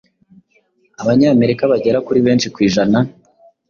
Abanyamerika bagera kuri benshi ku ijana